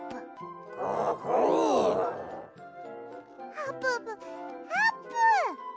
あぷぷあーぷん！